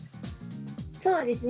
そうですね。